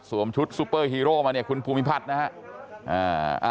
สวมชุดซุปเปอร์ฮีโรมาคุณภูมิพัดธ์นะฮะ